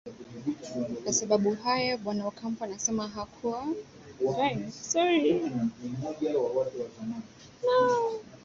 kwa sababu haya bwana ocampo anasema kuwa hana ushahidi